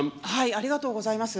ありがとうございます。